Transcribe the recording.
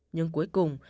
nhưng cuối cùng